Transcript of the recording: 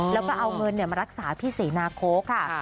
แล้วก็เอาเงินมารักษาพี่ศรีนาโค้กค่ะ